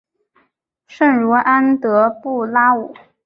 圣茹安德布拉武。